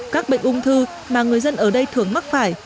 các bệnh ung thư mà người dân ở đây thường mắc phải